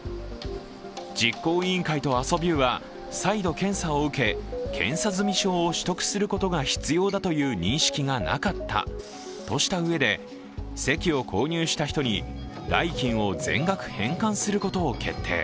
実行委員会とアソビューは再度検査を受け、検査済み証を取得することが必要だという認識がなかったとしたうえで、席を購入した人に代金を全額返還することを決定。